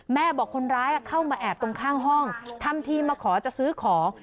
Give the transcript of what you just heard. บอกคนร้ายเข้ามาแอบตรงข้างห้องทำทีมาขอจะซื้อของ